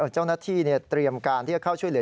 เจ้าหน้าที่เตรียมการที่จะเข้าช่วยเหลือ